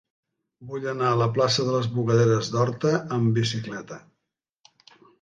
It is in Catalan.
Vull anar a la plaça de les Bugaderes d'Horta amb bicicleta.